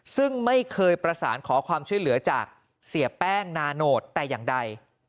ซึ่งไม่เคยประสานขอความช่วยเหลือจากเสียแป้งนาโนตแต่อย่างใด